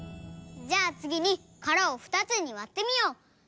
じゃあつぎにからをふたつにわってみよう！